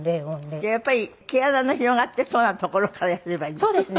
じゃあやっぱり毛穴の広がってそうな所からやればいいんです？